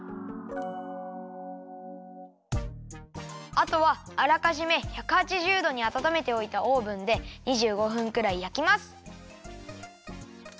あとはあらかじめ１８０どにあたためておいたオーブンで２５分くらいやきます。